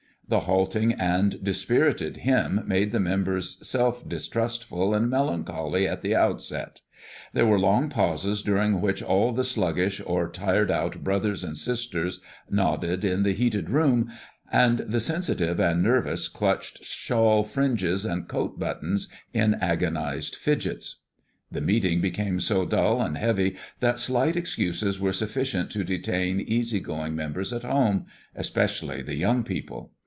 The halting and dispirited hymn made the members self distrustful and melancholy at the outset. There were long pauses during which all the sluggish or tired out brothers and sisters nodded in the heated room, and the sensitive and nervous clutched shawl fringes and coat buttons in agonized fidgets. The meetings became so dull and heavy that slight excuses were sufficient to detain easy going members at home, especially the young people.